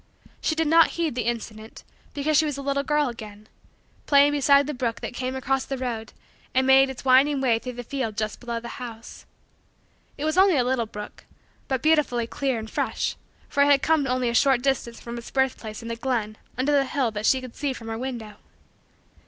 She did not heed the incident because she was a little girl again, playing beside the brook that came across the road and made its winding way through the field just below the house. It was only a little brook, but beautifully clear and fresh, for it had come only a short distance from its birth place in a glen under the hill that she could see from her window.